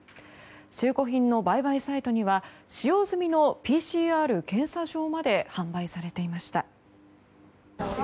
中古品の売買サイトには使用済みのＰＣＲ検査場まで販売されていました。